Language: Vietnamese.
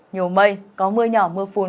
nhiều mây có mưa nhỏ mưa phun